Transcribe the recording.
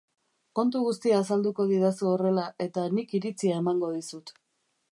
Kontu guztia azalduko didazu horrela, eta nik iritzia emango dizut.